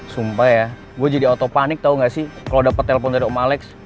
sumpah ya gue jadi auto panik tau gak sih kalau dapet telepon dari om alex